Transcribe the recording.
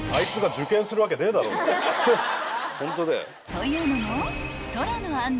［というのも］